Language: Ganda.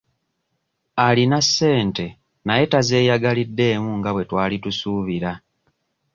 Alina ssente naye tazeeyagaliddeemu nga bwe twali tusuubira.